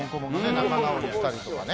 仲直りしたりね。